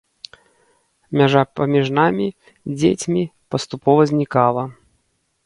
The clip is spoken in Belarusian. Мяжа паміж намі, дзецьмі, паступова знікала.